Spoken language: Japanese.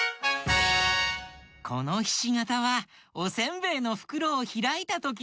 このひしがたはおせんべいのふくろをひらいたときのかたちだったのか。